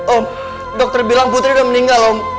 oh dokter bilang putri udah meninggal om